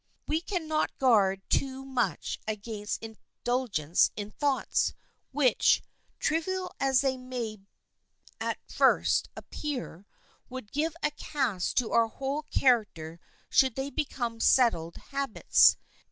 We can not guard too much against indulgence in thoughts, which, trivial as they may at first appear, would give a cast to our whole character should they become settled habits.